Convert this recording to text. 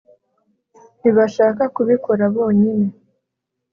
ntibashaka kubikora bonyine